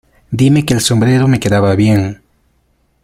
Dime que el sombrero me quedaba bien.